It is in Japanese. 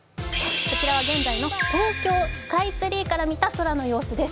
こちらは現在の東京スカイツリーから見た様子です。